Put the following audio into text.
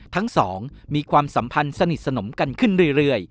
ทั้งสองมีความสัมพันธ์สนิทสนมกันขึ้นเรื่อย